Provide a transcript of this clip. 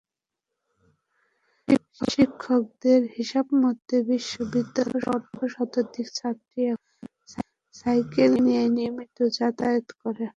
শিক্ষকদের হিসাবমতে, বিদ্যালয়ের অর্ধশতাধিক ছাত্রী এখন সাইকেল নিয়ে নিয়মিত যাতায়াত করে।